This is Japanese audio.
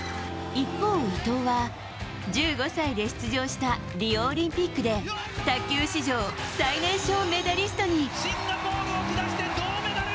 一方、伊藤は１５歳で出場したリオオリンピックで卓球史上最年少メダリストに。